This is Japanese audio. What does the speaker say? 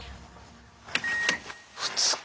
２日。